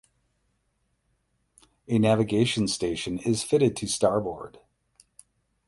A navigation station is fitted to starboard.